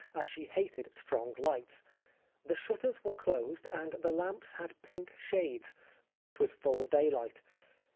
as she hated strong lights ; the shutters were closed, and the lamps had pink shades, though it was full daylight.